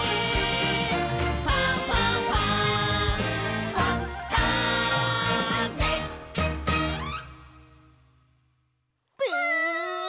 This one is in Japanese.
「ファンファンファン」ブン！